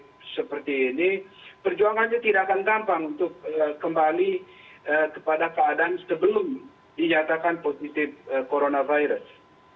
jadi seperti ini perjuangannya tidak akan gampang untuk kembali kepada keadaan sebelum dinyatakan positif coronavirus